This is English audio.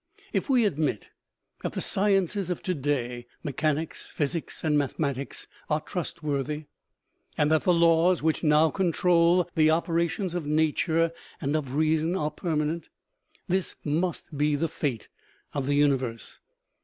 If we admit that the sciences of today, mechanics, physics and mathematics, are trustworthy, and that the laws which now control the operations of nature and of reason are permanent, this must be the fate of the universe.